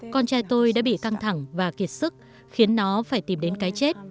con trai tôi đã bị căng thẳng và kiệt sức khiến nó phải tìm đến cái chết